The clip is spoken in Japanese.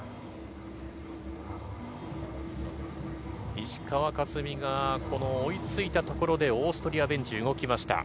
石川佳純が追い付いたところでオーストリアベンチ動きました。